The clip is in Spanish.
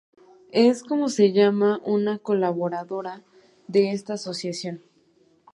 es como llama una colaboradora de esta asociación